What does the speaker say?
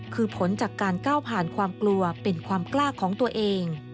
คือผลจากการก้าวผ่านความกลัวเป็นความกล้าของตัวเอง